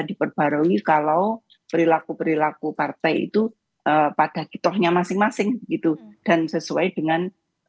diperbarui kalau perilaku perilaku partai itu pada kitohnya masing masing gitu dan sesuai dengan